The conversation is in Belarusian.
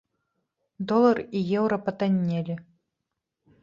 Долар і еўра патаннелі.